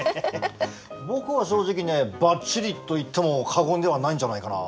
僕は正直ねばっちりと言っても過言ではないんじゃないかな。